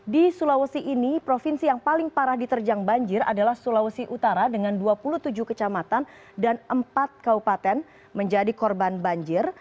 di sulawesi ini provinsi yang paling parah diterjang banjir adalah sulawesi utara dengan dua puluh tujuh kecamatan dan empat kaupaten menjadi korban banjir